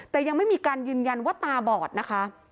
แต่ยังไม่มีการยืนยันว่าตาบอดนะคะ